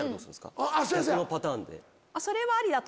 逆のパターンで。